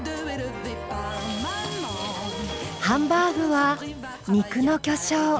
ハンバーグは肉の巨匠